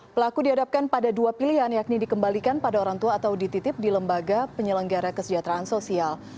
pelaku dihadapkan pada dua pilihan yakni dikembalikan pada orang tua atau dititip di lembaga penyelenggara kesejahteraan sosial